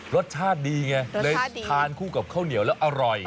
รสชาติดีไงเลยทานคู่กับข้าวเหนียวแล้วอร่อย